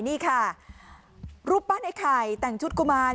นี่ค่ะรูปปั้นไอ้ไข่แต่งชุดกุมาร